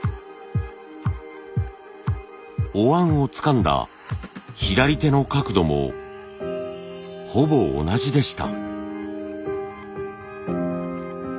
お椀をつかんだ左手の角度もほぼ同じでした。